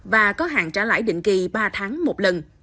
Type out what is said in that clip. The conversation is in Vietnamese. và có hạn trả lãi định kỳ ba tháng một lần